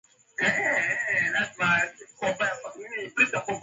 hali hiyo aliupa msukumo mkubwa Umoja wa Afrika kwa hali na mali na alitoa